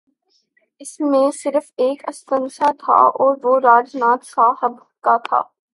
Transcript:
اس میں صرف ایک استثنا تھا اور وہ راج ناتھ صاحب کا تھا۔